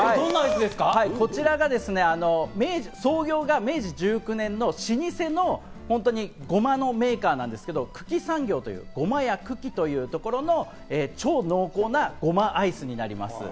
こちらがですね、創業が明治１９年の老舗のごまのメーカーなんですけど、九鬼産業というＧＯＭＡＹＡＫＵＫＩというところの、超濃厚なごまアイスになります。